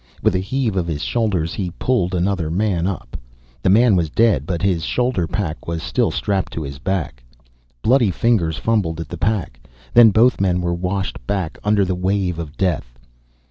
With a heave of his shoulders he pulled another man up. The man was dead but his shoulder pack was still strapped to his back. Bloody fingers fumbled at the pack, then both men were washed back under the wave of death.